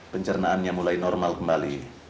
pencernaannya mulai normal kembali